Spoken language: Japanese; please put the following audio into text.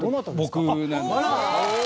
僕なんですけど。